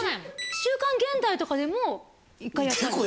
『週刊現代』とかでも１回やったんです。